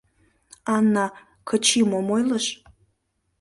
— Ана, Кычи мом ойлыш?..